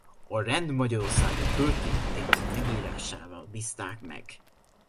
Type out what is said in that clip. A rend magyarországi történetének megírásával bízták meg.